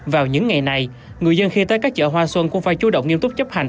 vào những ngày này người dân khi tới các chợ hoa xuân cũng phải chú động nghiêm túc chấp hành